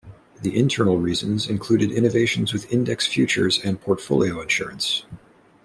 The internal reasons included innovations with index futures and portfolio insurance.